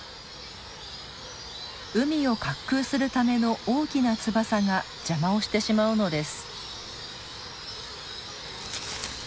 海を滑空するための大きな翼が邪魔をしてしまうのです。